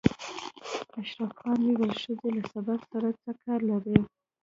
اشرف خان ویل ښځې له سبق سره څه کار لري